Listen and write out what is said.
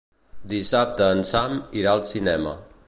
Dissabte en Sam irà al cinema.